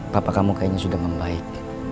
bapak kamu kayaknya sudah membaik